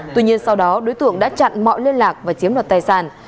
tuy nhiên sau đó đối tượng đã chặn mọi liên lạc và chiếm đoạt tài sản